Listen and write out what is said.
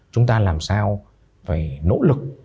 chúng ta làm sao phải nỗ lực